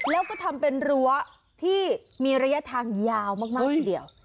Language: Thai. แล้วก็ทำเป็นรั้วที่มีระยะทางยาวมากทีเดียว